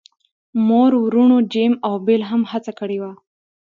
مور وروڼو جیم او بیل هم هڅه کړې وه